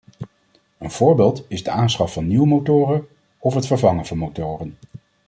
Een voorbeeld is de aanschaf van nieuwe motoren of het vervangen van motoren.